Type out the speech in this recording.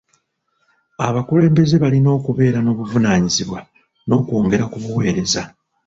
Abakulembeze balina okubeera n'obuvunaanyizibwa n'okwongera ku buweereza.